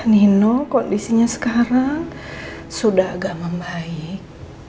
nino kondisinya sekarang sudah agak membaik